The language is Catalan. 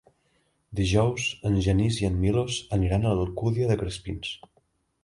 Dijous en Genís i en Milos aniran a l'Alcúdia de Crespins.